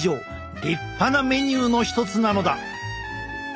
立派なメニューのひとつなのだ！